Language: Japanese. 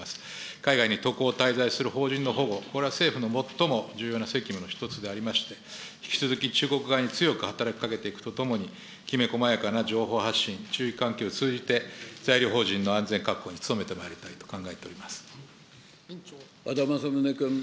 海外に渡航、滞在する邦人の保護、これは政府の最も重要な責務でございまして、引き続き中国側に強く働きかけていくとともに、きめこまやかな情報発信、注意喚起を通じて、在留邦人の安全確保に努和田政宗君。